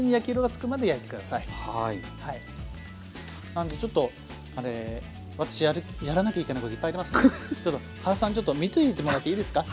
なんでちょっとあれ私やらなきゃいけないこといっぱいありますんでちょっと原さんちょっと見ていてもらっていいですか？